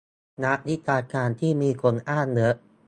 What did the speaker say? นักวิชาการที่มีคนอ้างเยอะ